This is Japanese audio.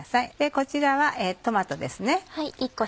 こちらはトマトですね。